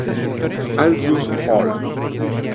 Andrew's Hall".